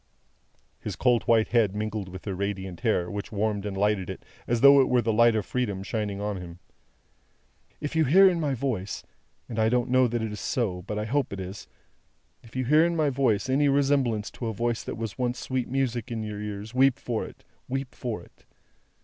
His cold white head mingled with her radiant hair, which warmed and lighted it as though it were the light of Freedom shining on him. "If you hear in my voice I don't know that it is so, but I hope it is if you hear in my voice any resemblance to a voice that once was sweet music in your ears, weep for it, weep for it!